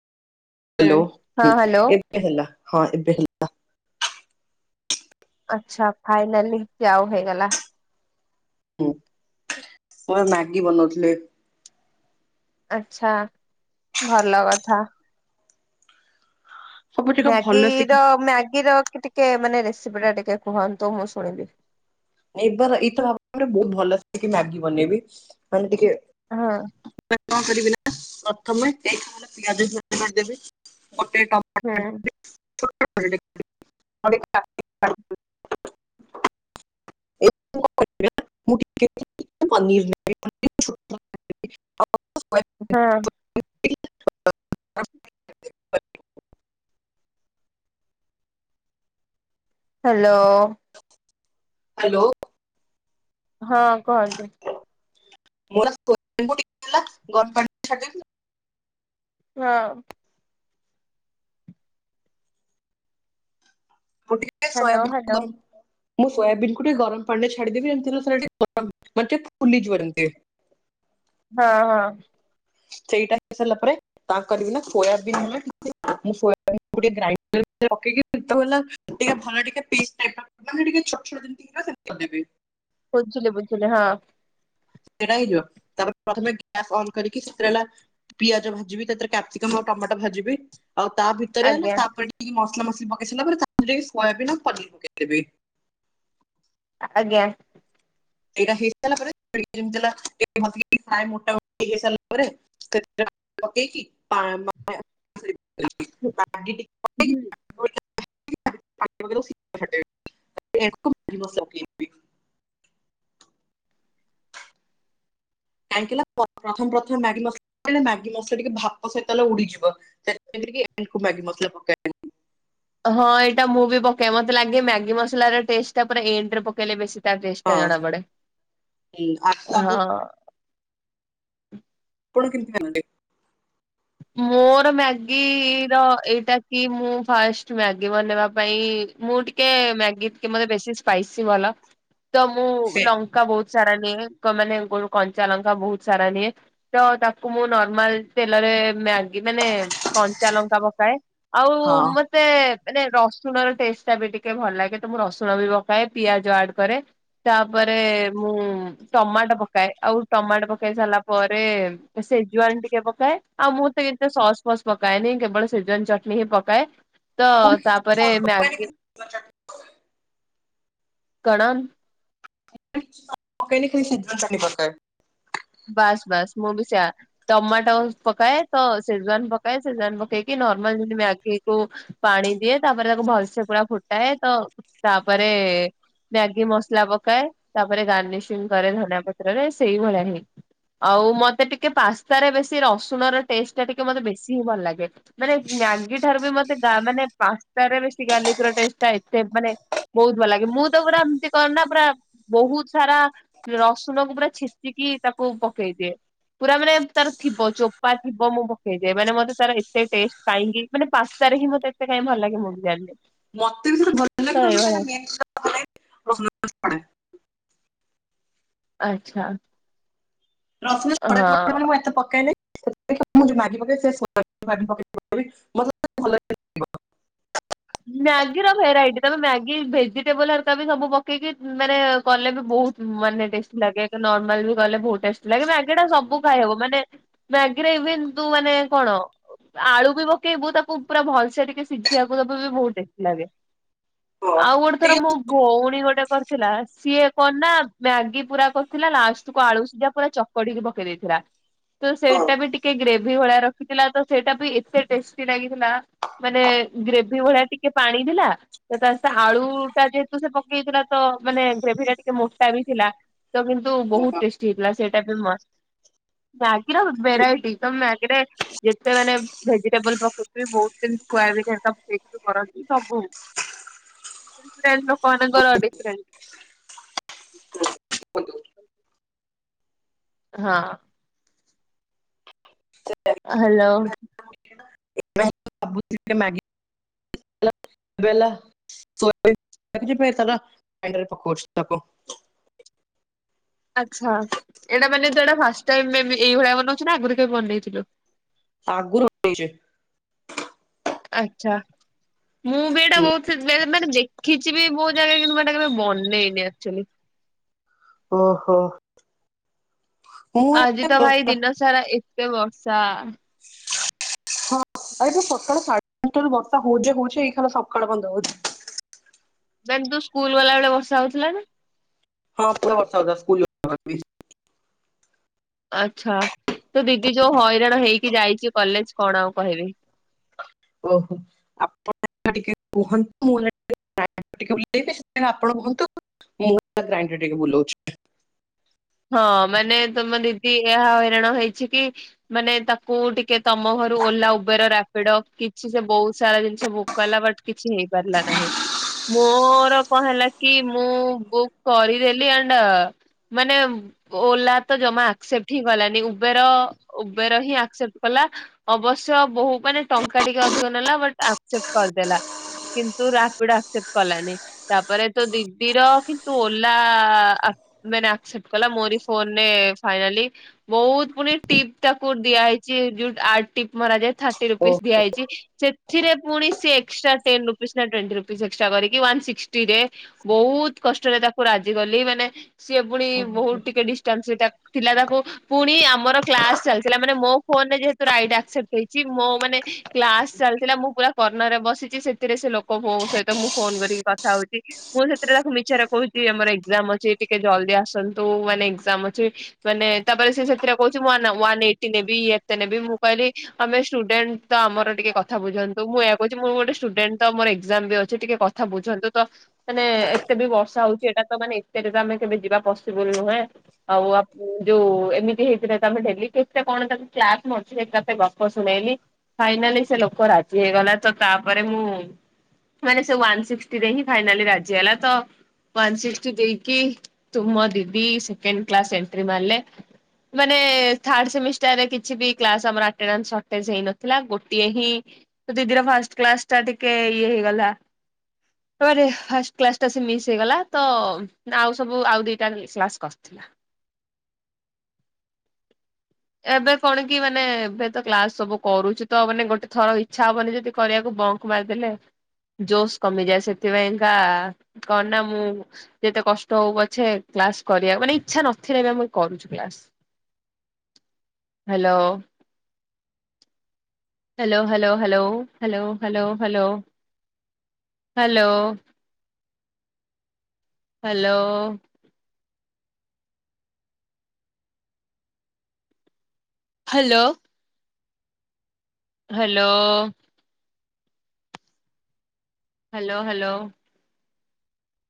ହୁଁ ହାଲୋଓ। ହଁ ହୁଁ ହ୍ୟାଲୋ ଏବେ ହେଲା ହଁ ଏବେ ହେଲ୍ ଆଚ୍ଛା। ଫାଇନାଲି ଯାଉ ହେଇଗଲା। ହୁଁ ମୋର୍ ମାଗି ବନଉଥିଲେ। ଆଛା ଭଲ କଥା। ସବୁ ଟିକେ ଭଲ ସେ କି ମ୍ୟାଗିର ମ୍ୟାଗିର କି ଟିକେ ମାନେ ରେସିପି ଟା ଟିକେ କୁହନ୍ତୁ ମୁଁ ଶୁଣିବି? ଏବର ଇତ ଆମର ବହୁତୁ ଭଲସେ ମ୍ୟାଗି ବନେଇବେ ମାନେ ଟିକେ ହଁ କଣ କରିବେନା [unintelligible] ନା ପ୍ରଥମେ ଏ [unintelligible] ପିଆଜ କରିଦ ଗୋଟେ। ହୁଁ। [unintelligible] [unintelligible] [inaudible] [inaudible] [unintelligible] [inaudible] [inaudible] [inaudible] ହଁ। [inaudible] [unintelligible] [inaudible] ହ୍ୟାଲୋ। ହ୍ୟାଲୋ। ହଁ କୁହନ୍ତୁ? ମୋର [unintelligible] ଗରଡି। ହଁ। କହୁଥିଲି ଯେ ହ୍ୟାଲୋ ସୋୟାବିନୀ ହ୍ୟାଲୋ ବନେଇବି। ମୁଁ ସୋୟାବିନ୍ କୁ ଟିକେ ଗରମ ପାଣି ରେ ଛାଡିଦେବି [inaudible] ଏମିତି ହେଲେ ସେରା ଟିକେ ଗରମ ମାନେ ଫୁଲିଯିବଏନ୍ତି। ହଁ ହଁ। ସେଇଟା ହେଇସାରିଲା ପରେ। ତାଙ୍କରି ବି ନା ସୋୟାବିନ୍ ନ ମୁଁ ସୟାବେ ଗାଇଣ୍ଡର ରଖିକି [unintelligible] ଟିକେ ଭଲ ଟିକେ ପିସି ଟାଇପିର ପାନେ ଟିକେ ଛୋଟ ଛୋଟ ଯେମିତି ସେମିତି କରିଦେବେ। ବୁଝିଲି ବୁଝିଲି ହଁ। ସେଇଟା ହେଇଯିବ ତାପରେ ପ୍ରଥମେ ଗ୍ୟାସ ଅନ କରିକି ସିକ୍ରେଲା ପିଆଜ ଭାଜିବି ସେଇଥିରେ କପସିକମ୍ ଆଉ ଟମାଟୋ ଭାଜିବି ଆଉ ତା ଭିତ ଭିତରେ ହେଲା ଆଜ୍ଞା ତାପରେ ଟିକେ ମସଲା ମସଲି ପକେଇ ସାରିଲା ପରେ ତାରେ ଟିକେ ସୋୟାବିନ ଆ ପନିରି ପକେଇ ଦେବି। ଆଜ୍ଞା। ଏରା ହେଇସାରିଲା ପରେ [unintelligible] ଟା ହେସାଲା ପରେ। କ [unintelligible] [unintelligible] [unintelligible] [unintelligible] [inaudible] [inaudible] [inaudible] [inaudible] [inaudible] [inaudible] [inaudible] [unintelligible] [inaudible] [unintelligible] [inaudible] କାହିଁକିଣା ପ୍ରଥମ ପ୍ରଥମେ ମ୍ୟାଗି ମସଲା ମ୍ୟାଗି ମସଲା ଟିକେ ଭପ ସହିତ ହେଲେ ଉଡିଯିବ। ଣ୍ଡ ମ [unintelligible] [inaudible] ହଁ ଏଇଟା ମୁଁ ବି ପକାଏ ମତେ ଲାଗେ ମ୍ୟାଗି ମସଲା ର ଟେଷ୍ଟ ଟା ପୁରା ଏଣ୍ଡେରେ ପକେଇଲେ ବେଶୀ ତା ଟେଷ୍ଟ ହଁ ଟା ଜଣା ପଡ଼େ ହୁଁ, ଆଗ ଆଗ ହଁ। ଆପଣ କେମିତି କରନ୍ତି? ମୋର ମ୍ୟାଗିର ଏଇଟା କି ମୁଁ ଫାଷ୍ଟ ମ୍ୟାଗି ବନେଇବା ପାଇଁ ମୁଁ ଟିକେ ମ୍ୟାଗି ଟିକେ ମତେ ବେଶୀ ସ୍ପାଇସି ଭଲ ତ ମୁଁ ସେ ଲ ଲଙ୍କା ବହୁତୁ ସାରା ନିଏ କ ମାନେ କ କଞ୍ଚା ଲଙ୍କା ବହୁତୁ ସାରା ନିଏ। ତ ତାକୁ ମୁଁ ନର୍ମାଲ ତେଲରେ ମ୍ୟାଗି ମାନେ କଞ୍ଚା ଲଙ୍କା ପକାଏ ଆଉ ହଁ ମା ପେ ମାନେ ରସୁଣର ଟେଷ୍ଟ ଟା ବି ଟିକେ ଭଲ ଲାଗେ ତ ମୁଁ ରସୁଣ ବି ପକାଏ ପିଆଜ ଆଡ କରେ। ତାପରେ ମୁଁ ଟମାଟ ପକାଏ ଆଉ ଟମାଟ ପକେଇ ସାରିଲା ପରେ ସେଜୱାନ ଟିକେ ପକାଏ। ଆଉ ମୁଁ ତ ଏତେ ସସ୍ ଫସ୍ ପକାଏନି କେବଳ ସେଜୱାନ ଚଟଣି ହିଁ ପକାଏ ତ ମୁଁ ବି ତା କିଛି ପରେ ଏ ପକାଏନି, ମ୍ୟାଗ ଖାଲି କଣ? ମ ଖ ସିଦ୍ଧ ଚାଲି ପକା [unintelligible] ଏ। ବାସ୍ ବାସ୍ ମୁଁ ବି ସେଆ। ଟମାଟୋ ପକାଏ ତ ସେଜୱାନ ପକାଏ ସେଜୱାନ ପକେଇକି ନର୍ମାଲମତି ମ୍ୟାଗିକୁ ପାଣି ଦିଏ ତାପରେ ତାକୁ ଭଲସେ ପୁରା ଫୁଟାଏ ତ ତାପରେ ମ୍ୟାଗି ମସଲା ପକାଏ ତାପରେ ଗାର୍ନିସିଂ କରେ ଧନିଆ ପତ୍ରରେ ସେଇଭଳିଆ ହିଁ। ଆଉ ମତେ ଟିକେ ପାସ୍ତାରେ ବେଶୀ ରସୁଣ ର ଟେଷ୍ଟ ଟା ଟିକେ ମୋତେ ବେଶୀ ହିଁ ଭଲ ଲାଗେ। ମାନେ ମ୍ୟାଗି ଠାରୁ ବି ମତେ ମାନେ ପାସ୍ତାରେ ବେଶୀ ଗାଲିକର ଟେଷ୍ଟ ଏତେ ମାନେ ବହୁତ ଭଲ ଲାଗେ ମୁଁ ତ ପୁରା ଏମିତି କରେ ନା ପୁରା ବହୁତ ସାରା ରସୁଣକୁ ପୁରା ଛେଚିକି ତାକୁ ପକେଇଦିଏ। ପୁରା ମାନେ ତାର ଥିବ ଚୋପା ଥିବ ମୁଁ ପକେଇଦିଏ ମାନେ ମତେ ତାର ଏତେ ଟେଷ୍ଟ କାହିଁକି ମାନେ ପା ସ୍ତାରେ ହିଁ ମତେ ଏତେ କାଇଁ ଭଲଲାଗେ ମୁଁ ବି ଜାଣିନି। ମତେ ବି ସେଇଟା ଭଲ ତ ଲାଗେ ଏଇଭଳିଆ [unintelligible] ଆଚ୍ଛା। ରଶୁଣ ଛଡ଼େଇବାକୁ ହଁ। ପଡେ ବୋଲି ମୁଁ ଏତେ ପକାଏନାହିଁ। [unintelligible] ମ୍ୟାଗିର ଭେରାଇଟି ତମେ ମ୍ୟାଗି ଭେଜିଟେବଲ ହେରିକା ବି ସବୁ ପକେଇକି ମାନେ କଲେ ବି ବହୁତ ମାନେ ଟେଷ୍ଟି ଲାଗେ ନର୍ମାଲ ବି ଗଲେ ବହୁତ ଟେଷ୍ଟି ଲାଗେ ମ୍ୟାଗିଟା ସବୁ ଖାଇହବ ମାନେ ମ୍ୟାଗିରେ ଇଭିନ ତୁ ମାନେ କଣ ଆଳୁ ବି ପକେଇବୁ ତାକୁ ପୁରା ଭଲସେ ଟିକେ ସିଝିବାକୁ ଦ ବୁ ବହୁତ ଟେଷ୍ଟି ଲାଗେ ହଁ, ଆଉ ଗୋଟେ ଥର ଟିକେ ମ ଭଉଣୀ ଗୋଟେ କରିଥିଲା ସିଏ କଣନା ମ୍ୟାଗି ପୁରା କରିଥିଲା ଲାଷ୍ଟ କୁ ଆଳୁ ସିଝା ପୁରା ଚ କଡିକି ପକେଇ ଦେଇଥିଲା। ତ ହଁ, ସେଇଟା ବି ଟିକେ ଗ୍ରେଭି ଭଳିଆ ରଖିଥିଲା ତ ସେଇଟା ବି ଏତେ ଟେଷ୍ଟି ଲାଗିଥିଲା। ମାନେ ଗ୍ରେଭି ଭଳିଆ ଟିକେ ପାଣି ଥିଲା ତ ତାର ସେ ଆଳୁ ଟା ଯେହେତୁ ସେ ପକେଇଥିଲା ତ ମାନେ ଗ୍ରେଭି ଟା ଟିକେ ମୋଟା ବି ଥିଲା। ତେ କିନ୍ତୁ ହଁ, ବହୁତ ଟେଷ୍ଟି ହେଇଥିଲା ସେଇଟା ବି ମସ୍ତ। ମ୍ୟାଗିର ହଁ, ଭେରାଇଟି ତମେ ମ୍ୟାଗିରେ ଯେତେ ମାନେ ଭେଜିଟେବଲ ପକେଇବ ବହୁତ [unintelligible] ସେଥିରୁ କରନ୍ତି ସବୁ ଡିଫେରେଣ୍ଟ ଲୋକ ମାନଙ୍କର ଡିଫେରେଣ୍ଟ କୁହନ୍ତୁ। ହଁ। ହ୍ୟାଲୋ। ଯେତେ ମ୍ୟାଗି [unintelligible] ପକଉଛି ତାକୁ ଆଚ୍ଛା ଏଇଟା ମାନେ ଯଉଟା ଫାଷ୍ଟଟାଇମ ଏଇଭଳିଆ ବନଉଛୁ ନା ଆଗରୁ କେବେ ବନେଇଥିଲୁ? ଆଗରୁ ବନେଇଛି। ଆଛା ମୁଁ ବି ଏଇଟା ବହୁତ ମାନେ ଦେଖିଛିି ବି ବହୁତ ଜାଗାରେ କିନ୍ତୁ ମାନେ କେବେ ବନେଇନି ଆକ୍ଚୁଲି। ଓହୋ। ମୁଁ ଆଜି ଏବେ ତ ଭାଇ ବର୍ଷା- ଦିନ ସାରା ଏତେ ବର୍ଷା ହଁ ଆଜିତ ସକାଳ ସାଢେ ପାଞ୍ଚଟା ରୁ ବର୍ଷା ହଉଛେ ହଉଛେ ଏଇ ଖାନା ସକାଳୁ ବନ୍ଦ ହଉଛି। ମାନେ ତୁ ସ୍କୁଲ ଗଲା ବେଳେ ବର୍ଷା ହଉଥିଲା ନା? ହଁ ପୁରା ବର୍ଷା ହଉଥିଲା ସ୍କୁଲ [unintelligible] ଆଛା ତୋ ଦିଦି ଯୋଉ ହଇରାଣ ହେଇକି ଯାଇଛି କଲେଜ କଣ ଆଉ କହିବି? ଓହୋ। ଆପଣ ଟିକେ କୁହନ୍ତୁ ମୁଁ ଏଇନେ ଟିକେ [unintelligible] ଆପଣ କୁହନ୍ତୁ ମୁଁ ଟିକେ ଗ୍ରାଇଣ୍ଡର ଟିକେ ବୁଲଉଛି। ହଁ ମାନେ ତମ ଦିଦି ଏହା ହଇରାଣ ହେଇଛି କି। ମାନେ ତାକୁ ଟିକେ ତମ ଘରୁ ଓଲା ଉବେର ରାପିଡ କିଛି ସେ ବହୁତ୍ ସାରା ଜିନିଷ ବୁକ୍। କଇଲା ବଟ୍ କିଛି ହେଇପାରିଲା ନାହିଁ। ମୋର କଣ ହେଲା କି ମୁଁ ବୁକ୍ କରିଦେଲି ଆଣ୍ଡ। ମାନେ। ଓଲା ତ ଜମା ଆକ୍ସେପ୍ଟ ହିଁ କଲାନି ଉବେର ଉବେର ହିଁ ଆକ୍ସେପ୍ଟ କଲା। ଅବଶ୍ୟ ବହୁ ମାନେ ଟଙ୍କା ଟିକେ ଅଧିକ ନେଲା ବଟ୍ ଆକ୍ସେପ୍ଟ କରିଦେଲା। କିନ୍ତୁ ରାପିଡ୍ ଆକ୍ସେପ୍ଟ କଲାନି। ତାପରେ ତ ଦିଦିର କିନ୍ତୁ ଓଲା ଆପ୍ ମାନେ ଆକସେପ୍ଟ। କହିଲା ମୋରି ଫୋନରେ ଫାଇନାଲି। ବହୁତ୍ ପୁଣି ଟିପ୍ ତାକୁ ଦିଆ ହେଇଚି ଯୋଉ ଆଡ୍ ଟିପ୍ ମରା ଯାଏ। ଥାର୍ଟି ରୁପିଜ୍ ଦିଆ ହେଇଚି ସେ ଥିରେ ପୁଣି ସେ ଏକ୍ସଟ୍ରା ଟେନ ରୁପିଜ୍ ନା ଟ୍ୱେଣ୍ଟି ରୁପିଜ୍ ଏକ୍ସଟ୍ରା କରିକି ୱାନସିକ୍ସଟିରେ। ବହୁତ୍ କଷ୍ଟରେ ତାକୁ ରାଜି କଲି ମାନେ ସିଏ ପୁଣି। ଓହୋ ବହୁତ ଟିକେ ଡିଷ୍ଟାନ୍ସ ରେ ଟା ଥିଲା ତାକୁ। ପୁଣି ଆମର କ୍ଲାସ ଚାଲିଥିଲା ମାନେ ମୋ ଫୋନରେ ଯେହେତୁ ରାଇଡ୍ ଆକ୍ସେପ୍ଟ ହେଇଚି ମୋ ମାନେ। କ୍ଲାସ ଚାଲଥିଲା ମୁଁ ପୁରା କର୍ଣ୍ଣର ରେ ବସିଚି ସେଥିରେ ସେ ଲୋକୋ ମୋ ସହିତ ମୁଁ ଫୋନ୍ କରିକି କଥା ହଉଚି। ମୁଁ ସେଥିରେ ତାକୁ ମିଛରେ କହୁଛି ଆମର ଏକ୍ଜାମ୍ ଅଛି ଟିକେ ଜଲ୍ଦି ଆସନ୍ତୁ ମାନେ ଏକ୍ଜାମ୍ ଅଛି। ମାନେ ତାପରେ ସେ ସେଥିରେ କହୁଛି ମୁଁ ୱାନ ୱାନଏଇଟି ନେବି ୟେତେ ନେବି ମୁଁ କହିଲି ଆମେ ସ୍ଟୁଡେଣ୍ଟ। ତ ଆମର ଟିକେ କଥା ବୁଝନ୍ତୁ ମୁଁ ଏୟା କହୁଛି ମୁଁ ଗୋଟେ ଷ୍ଟୁଡେଣ୍ଟ ତ ମୋର ଏକ୍ଜାମ ବି ଅଛି ଟିକେ କଥା ବୁଝନ୍ତୁ ତ। ମାନେ ଏତେ ବି ବର୍ଷା ହଉଚି ଏଟା ତ ମାନେ ଏତେରେ ବେ ଆମେ କେବେ ଯିବା ପସିବୁଲ୍ ନୁହେଁ। ଆଉ ଆପୁ ଯୋଉ ଏମିତି ହେଇଥିଲେ ତ ଆମେ ଡେଲି କେତେ କଣ ତାକୁ କ୍ଲାସ ମଝିରେ ତା ସହିତ ଗ ବହୁତ୍ ଶୁଣେଇଲି ଫାଇନାଲି ସେ ଲୋକ ରାଜି ହେଇଗଲା ତ ତାପରେ ମୁଁ। ମାନେ ସେ ୱାନ ସିକ୍ସଟି ରେ ହିଁ ଫାଇନାଲି ରାଜି ହେଲା ତ। ୱାନସିକ୍ସଟି ଦେଇକି ତୁମ ଦିଦି ସେକେଣ୍ଡ କ୍ଲାସ୍ ଏଣ୍ଟ୍ରି ମାର୍ଲେ। ମାନେ ଥାର୍ଡ଼ ସେମିଷ୍ଟାରରେ କିଛିବି କ୍ଲାସ ଆମର ଆଟେନାନ୍ସ ସଟେଜ୍ ହେଇନଥିଲା ଗୋଟିଏ ହିଁ। ତ ଦିଦିର ଫାଷ୍ଟ କ୍ଲାସ ଟା ଟିକେ ଇଏ ହେଇଗଲା। ପରେ ଫାଷ୍ଟ କ୍ଲାସ ଟା ସେ ମିସ୍ ହେଇଗଲା ତ ଆଉ ସବୁ ଆଉ ଦିଟାରେ ଲେ କ୍ଲାସ୍ କରଥିଲା। ଏବେ କଣ କି ମାନେ ଏବେ ତ କ୍ଲାସ ସବୁ କରୁଛି ତ ମାନେ ଗୋଟେ ଥର ଇଚ୍ଛା ହବନି ଯଦି କରିବାକୁ ବ ମାରିଦେଲେ ଜୋସ୍ କମିଯାଏ ସେଥିପାଇଁକା କଣ ନା ମୁଁ। ଯେତେ କଷ୍ଟ ହଉ ପଛେ କ୍ଲାସ କରିବାକୁ ମାନେ ଇଚ୍ଛା ନଥିଲେ ବି ଆମେ କରୁଛୁ class. Hello. Hello hello hello hello hello hello. Hello hello. Hello. Hello. Hello hello.